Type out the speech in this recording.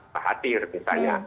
pak hatir misalnya